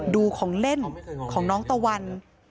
ดูของเล่นของน้องตะวัน